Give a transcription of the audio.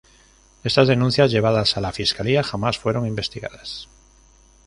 Estas denuncias llevadas a la fiscalía jamás fueron investigadas.